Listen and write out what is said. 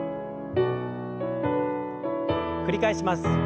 繰り返します。